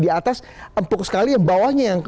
di atas empuk sekali yang bawahnya yang